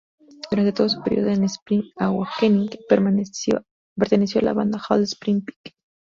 Durante todo su periodo en "Spring Awakening" perteneció a la banda Old Spring Pike.